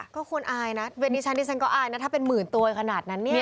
ก็ควรอายนะเวนิชานที่ฉันก็อายนะถ้าเป็นหมื่นตัวอย่างขนาดนั้นเนี่ย